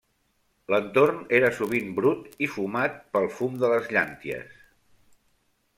L'entorn era sovint brut i fumat pel fum de les llànties.